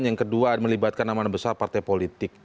yang kedua melibatkan namanya besar partai politik